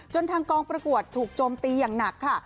ทางกองประกวดถูกโจมตีอย่างหนักค่ะ